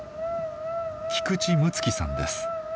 菊池睦月さんです。